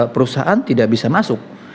perusahaan tidak bisa masuk